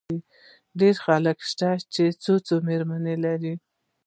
ډېر خلک شته، چي څو څو مېرمنې لري.